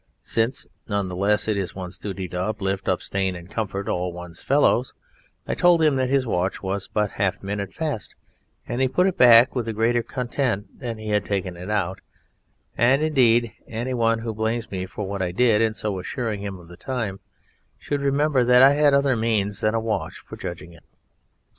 Since, none the less, it is one's duty to uplift, sustain, and comfort all one's fellows I told him that his watch was but half a minute fast, and he put it back with a greater content than he had taken it out; and, indeed, anyone who blames me for what I did in so assuring him of the time should remember that I had other means than a watch for judging it.